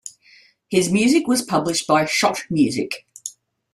His music was published by Schott Music.